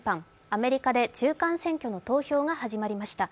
アメリカで中間選挙の投票が始まりました。